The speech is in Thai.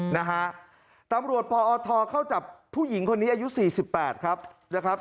นะฮะตำรวจพอทเข้าจับผู้หญิงคนนี้อายุ๔๘ครับ